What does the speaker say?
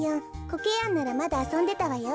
コケヤンならまだあそんでたわよ。